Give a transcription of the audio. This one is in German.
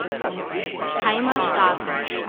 Timer starten.